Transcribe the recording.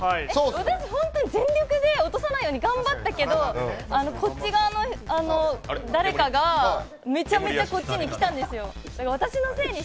私、本当に全力で落とさないように頑張ったけど、誰かがこっちに来たんですよ。